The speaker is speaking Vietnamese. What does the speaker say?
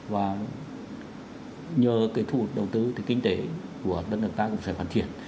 và nhờ cái thu hút đầu tư thì kinh tế của đất nước ta cũng sẽ phát triển